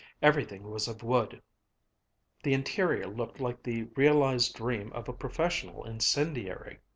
Everything was of wood. The interior looked like the realized dream of a professional incendiary.